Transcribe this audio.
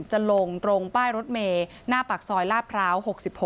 จะลงตรงป้ายรถเมย์หน้าปากซอยลาดพร้าว๖๖